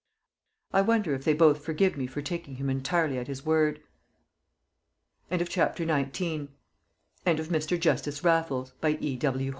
I wonder if they both forgive me for taking him entirely at his word? End of the Project Gutenberg EBook of Mr. Justice Raffles, by E. W.